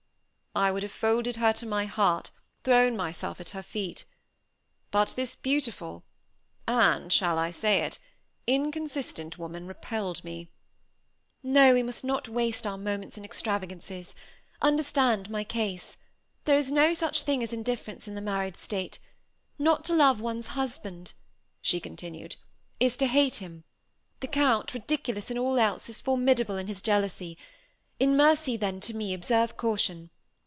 I would have folded her to my heart thrown myself at her feet. But this beautiful and shall I say it inconsistent woman repelled me. "No, we must not waste our moments in extravagances. Understand my case. There is no such thing as indifference in the married state. Not to love one's husband," she continued, "is to hate him. The Count, ridiculous in all else, is formidable in his jealousy. In mercy, then, to me, observe caution.